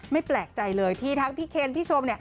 แปลกใจเลยที่ทั้งพี่เคนพี่ชม